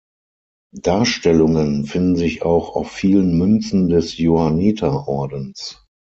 Darstellungen finden sich auch auf vielen Münzen des Johanniterordens.